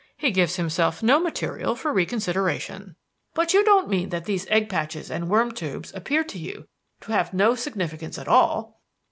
He gives himself no material for reconsideration. But you don't mean that these egg patches and worm tubes appeared to you to have no significance at all?"